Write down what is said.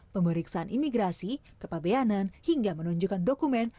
pemeriksaan imigrasi kepabeanan hingga menunjukkan dokumen